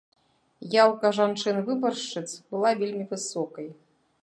Яўка жанчын-выбаршчыц была вельмі высокай.